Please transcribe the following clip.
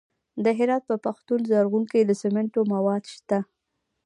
د هرات په پشتون زرغون کې د سمنټو مواد شته.